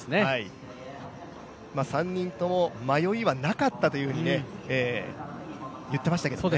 ３人とも迷いはなかったというふうにね言ってました。